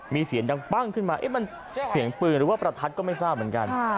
มีเสียงดังปั้งขึ้นมามันเสียงปืนหรือว่าประทัดก็ไม่ทราบเหมือนกัน